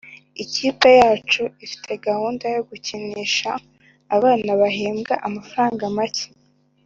ikipe yacu ifite gahunda yo gukinisha abana bahembwa amafaranga make